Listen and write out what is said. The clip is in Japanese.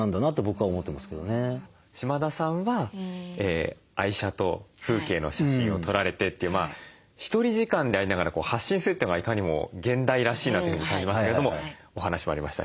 島田さんは愛車と風景の写真を撮られてってひとり時間でありながら発信するというのがいかにも現代らしいなというふうに感じますけれどもお話もありました